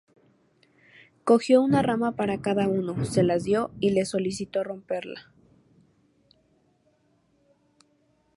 Cogió una rama para cada uno, se las dio y les solicitó romperla.